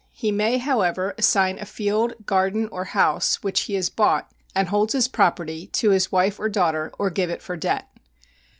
He may, however, assign a field, garden or house which he has bought, and holds as property, to his wife or daughter or give it for debt.